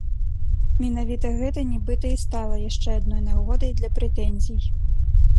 Менавіта гэта нібыта і стала яшчэ адной нагодай для прэтэнзій.